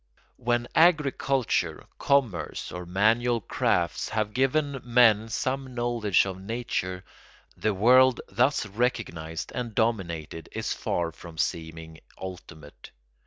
When agriculture, commerce, or manual crafts have given men some knowledge of nature, the world thus recognised and dominated is far from seeming ultimate.